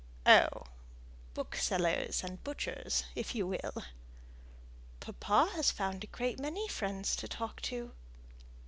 "Oh! booksellers and butchers if you will." "Papa has found a great many friends to talk to."